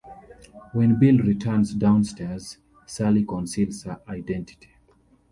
When Bill returns downstairs, Sally conceals her identity.